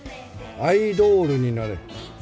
アイドールになれ。